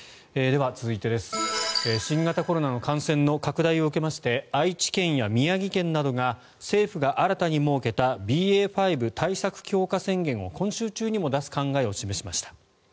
では続いて、新型コロナの感染の拡大を受けまして愛知県や宮城県などが政府が新たに設けたＢＡ．５対策強化宣言を今週中にも出す考えを示しました。